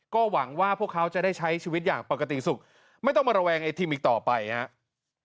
ก็หวังว่าพวกเขาจะได้ใช้ชีวิตอย่างปกติสุขไม่ต้องมาระแวงไอทีมอีกต่อไปครับ